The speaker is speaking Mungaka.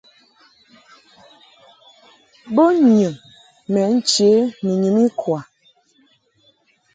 Bo nyɨŋ mɛ nche ni nyum ikwa.